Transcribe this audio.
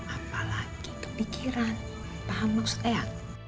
apa lagi kepikiran paham maksudnya ya